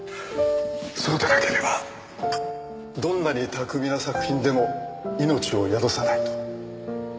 そうでなければどんなに巧みな作品でも命を宿さないと。